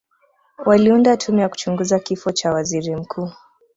waliunda tume ya kuchunguza kifo cha waziri mkuu